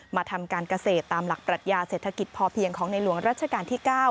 ทำการเกษตรตามหลักปรัชญาเศรษฐกิจพอเพียงของในหลวงรัชกาลที่๙